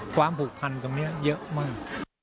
ความผูกพันธ์ตรงนี้เยอะมาก